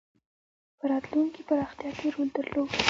په راتلونکې پراختیا کې رول درلود.